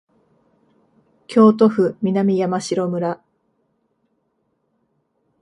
京都府南山城村